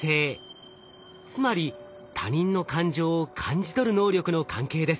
つまり他人の感情を感じ取る能力の関係です。